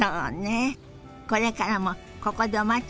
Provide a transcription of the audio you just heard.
これからもここでお待ちしてますからね。